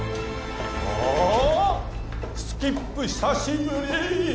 おおスキップ久しぶり！